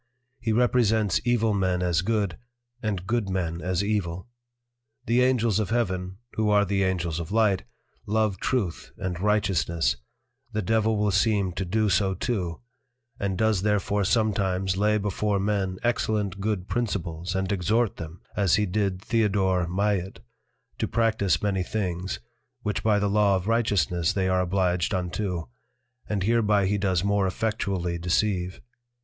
He represents evil men as good, and good men as evil. The Angels of Heaven, (who are the Angels of Light) love Truth and Righteousness, the Devil will seem to do so too; and does therefore sometimes lay before men excellent good Principles and exhort them (as he did Theodore Maillit) to practise many things, which by the Law of Righteousness they are obliged unto, and hereby he does more effectually deceive.